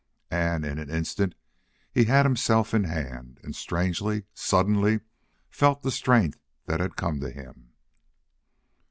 And in an instant he had himself in hand, and, strangely, suddenly felt the strength that had come to him.